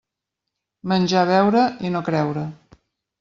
Menjar, beure i no creure.